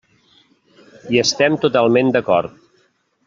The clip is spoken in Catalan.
Hi estem totalment d'acord.